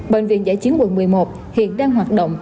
bệnh viện giã chiến quận một mươi một hiện đang hoạt động